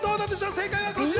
正解はこちら！